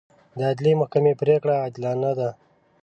د عدلي محکمې پرېکړې عادلانه دي.